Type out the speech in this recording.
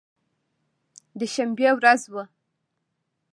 د شنبې ورځ وه.